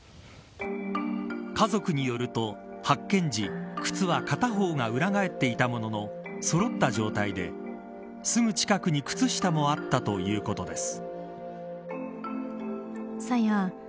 家族によると発見時、靴は片方が裏返っていたもののそろった状態ですぐ近くに靴下もあったということです。